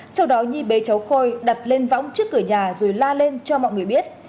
sau đó nhi bế cháu khôi đặt lên võng trước cửa nhà rồi la lên cho mọi người biết